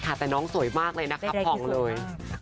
แต่น้องสวยมากเลยนะคะผ่องเลย